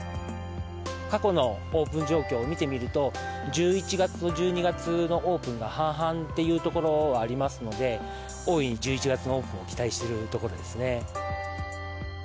過去のオープン状況を見てみると、１１月と１２月のオープンが半々というところがありますので、大いに１１月のオープンを期待しているところですね。